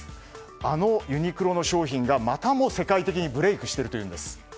あのユニクロの商品がまたも世界的にブレークしているというんです。